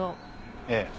ええ。